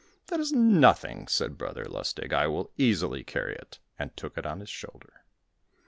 "That is nothing," said Brother Lustig. "I will easily carry it," and took it on his shoulder.